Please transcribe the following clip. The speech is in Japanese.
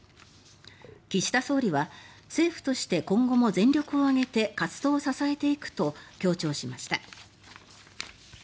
岸田総理は、政府として今後も全力を挙げて活動を支えていくと強調しました。